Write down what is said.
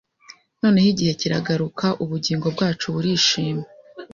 Noneho igihe kiragaruka Ubugingo bwacu burishima